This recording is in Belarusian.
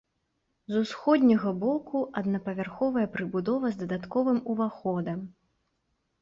З усходняга боку аднапавярховая прыбудова з дадатковым уваходам.